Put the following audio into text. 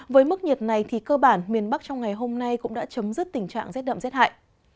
với mức nhiệt này thì cơ bản miền bắc trong ngày hôm nay cũng đã chấm dứt tình trạng rét đậm rét hại